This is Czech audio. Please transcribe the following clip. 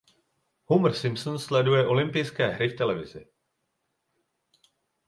Homer Simpson sleduje Olympijské hry v televizi.